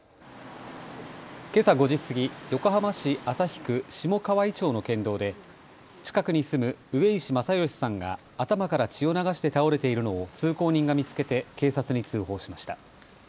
けさ５時過ぎ、横浜市旭区下川井町の県道で近くに住む上石正義さんが頭から血を流して倒れているのを通行人が見つけて警察に通報しました。